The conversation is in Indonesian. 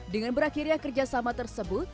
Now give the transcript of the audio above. dengan berakhirnya kerjasama tersebut